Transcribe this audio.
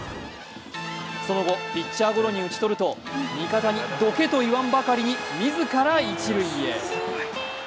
その後、ピッチャーゴロに打ち取ると味方にどけと言わんばかりに自ら一塁へ。